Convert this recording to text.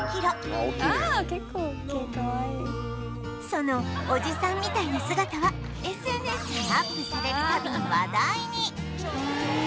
そのおじさんみたいな姿は ＳＮＳ にアップされる度に話題に